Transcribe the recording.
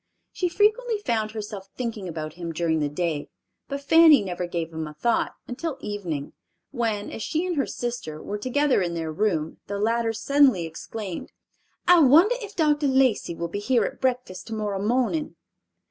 She frequently found herself thinking about him during the day, but Fanny never gave him a thought until evening, when, as she and her sister were together in their room, the latter suddenly exclaimed, "I wonder if Dr. Lacey will be here at breakfast tomorrow morning."